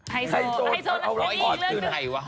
ไทโซล่ะไทเยียร่ากระดาษ